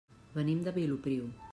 Venim de Vilopriu.